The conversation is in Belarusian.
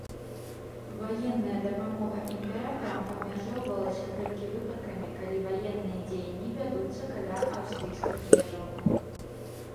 Ваенная дапамога імператарам абмяжоўвалася толькі выпадкамі, калі ваенныя дзеянні вядуцца каля аўстрыйскіх межаў.